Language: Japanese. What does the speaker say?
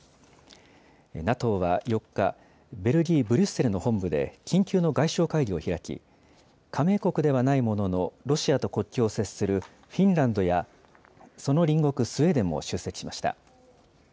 ＮＡＴＯは４日、ベルギー・ブリュッセルの本部で緊急の外相会議を開き、加盟国ではないもののロシアと国境を接するフィンランドやその隣国、スウェーデンも出席しました。